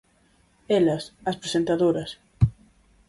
Elas, as presentadoras.